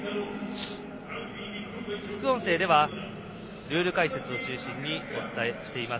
副音声ではルール解説を中心にお伝えしています。